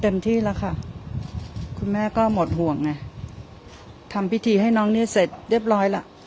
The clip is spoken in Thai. ที่แล้วค่ะคุณแม่ก็หมดห่วงไงทำพิธีให้น้องนี่เสร็จเรียบร้อยล่ะ